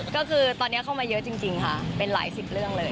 ก็คือตอนนี้เข้ามาเยอะจริงค่ะเป็นหลายสิบเรื่องเลย